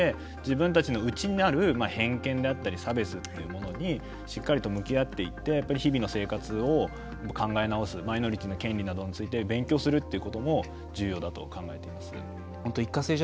そうではなくてこれをきっかけにして自分たちの内にある偏見だったり差別にしっかり向き合っていって日々の生活を考え直すマイノリティーの権利などについて勉強するというようなことも重要だと思っています。